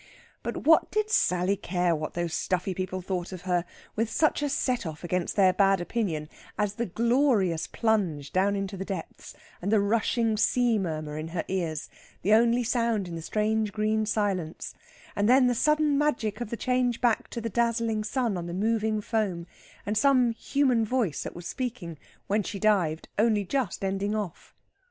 But what did Sally care what those stuffy people thought about her, with such a set off against their bad opinion as the glorious plunge down into the depths, and the rushing sea murmur in her ears, the only sound in the strange green silence; and then the sudden magic of the change back to the dazzling sun on the moving foam, and some human voice that was speaking when she dived only just ending off?